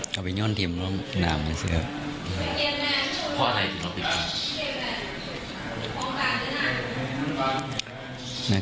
ก็เอาไปยนต์ทิ้งลงน้ำนะครับ